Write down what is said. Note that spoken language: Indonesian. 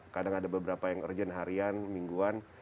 kadang ada beberapa yang urgent harian mingguan